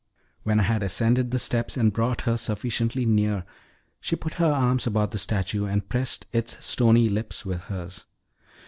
When I had ascended the steps and brought her sufficiently near, she put her arms about the statue, and pressed its stony lips with hers.